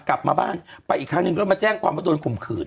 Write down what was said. กลับมาบ้านไปอีกครั้งนึงก็มาแจ้งว่าโดนคุมขื่น